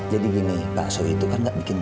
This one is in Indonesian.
jadi gini bakso itu kan gak bikin kenyang